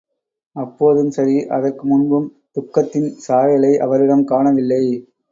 அப்போதும் சரி, அதற்கு முன்பும், துக்கத்தின் சாயலை அவரிடம் காணவில்லை.